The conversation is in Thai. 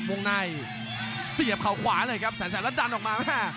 วงในเสียบเขาขวาเลยครับแสนแสนแล้วดันออกมาแม่